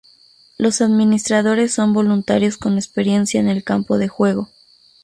Los administradores son voluntarios con experiencia en el campo de juego